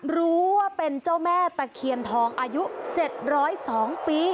รู้ว่าเป็นเจ้าแม่ตะเคียนทองอายุ๗๐๒ปี